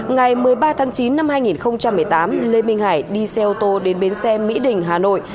ngày một mươi ba tháng chín năm hai nghìn một mươi tám lê minh hải đi xe ô tô đến bến xe mỹ đình hà nội